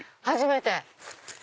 初めて！